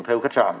theo khách sạn